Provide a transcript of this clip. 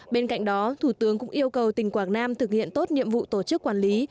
bên cạnh đó thủ tướng cũng yêu cầu tỉnh quảng nam thực hiện tốt nhiệm vụ tổ chức quản lý